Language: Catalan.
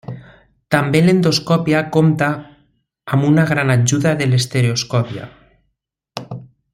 També l'endoscòpia compta amb una gran ajuda de l'estereoscòpia.